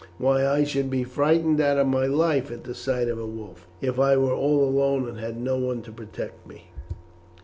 Why, I should be frightened out of my life at the sight of a wolf if I were all alone and had no one to protect me."